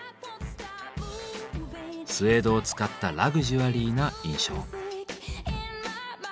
スエードを使ったラグジュアリーな印象。